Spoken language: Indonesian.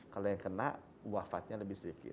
kalau yang kena wafatnya lebih sedikit